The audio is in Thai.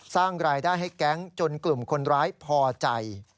สร้างรายได้ให้แก๊งจนกลุ่มคนร้ายพอใจ